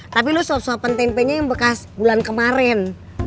tapi lo suap suapan tempenya yang bekas bulan kemarin